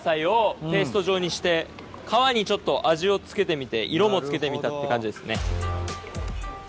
皮にちょっと味を付けてみて色も付けてみたって感じですね。